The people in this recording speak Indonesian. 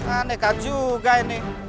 anehkan juga ini